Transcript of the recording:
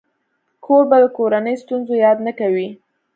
کوربه د کورنۍ ستونزو یاد نه کوي.